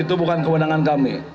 itu bukan kewenangan kami